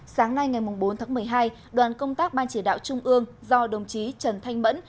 sáng nay ngày bốn tháng một mươi hai đoàn công tác ban chỉ đạo trung ương do đồng chí trần thanh mẫn